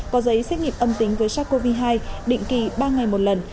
có giấy xét nghiệm âm tính với sars cov hai định kỳ ba ngày một lần